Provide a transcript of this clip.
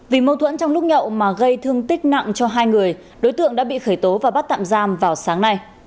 vì mâu thuẫn trong lúc nhậu mà gây thương tích nặng cho hai người đối tượng đã bị khởi tố và bắt tạm giam vào sáng nay